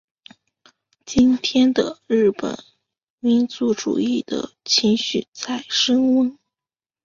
今天的日本民族主义情绪在升温。